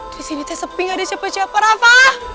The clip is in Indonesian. di sini tesebing ada siapa siapa rafa